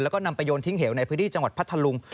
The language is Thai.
แล้วก็นำไปโยนทิ้งเหวในพื้นที่จังหวัดพัทธลุง